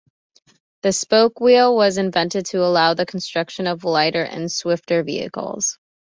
The spoked wheel was invented to allow the construction of lighter and swifter vehicles.